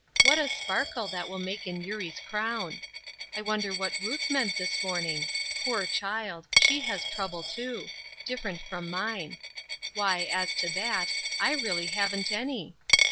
What a sparkle that will make in Eurie's crown. I wonder what Ruth meant this morning? Poor child! she has trouble too; different from mine. Why as to that, I really haven't any.